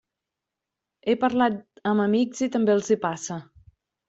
He parlat amb amics i també els hi passa.